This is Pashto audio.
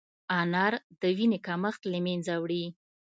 انار د وینې کمښت له منځه وړي.